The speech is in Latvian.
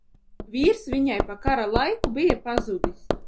Vīrs viņai pa kara laiku bija pazudis.